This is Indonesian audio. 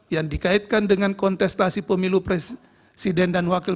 yang dikaitkan dengan kontestasi pemilu presiden dan wakil